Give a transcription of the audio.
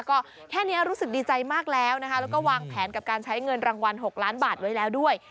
ก็แค่นี้รู้สึกดีใจมากแล้วนะคะแล้วก็วางแผนกับการใช้เงินรางวัล๖ล้านบาทไว้แล้วด้วย